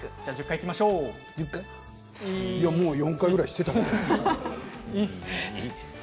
いや、もう４回ぐらいしていた。